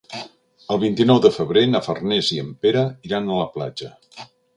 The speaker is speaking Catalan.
El vint-i-nou de febrer na Farners i en Pere iran a la platja.